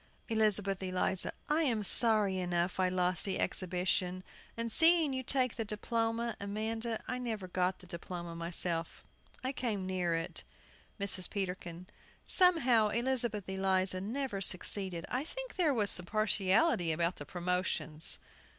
ELIZABETH ELIZA. I am sorry enough I lost the exhibition, and seeing you take the diploma, Amanda. I never got the diploma myself. I came near it. MRS. PETERKIN. Somehow, Elizabeth Eliza never succeeded. I think there was partiality about the promotions.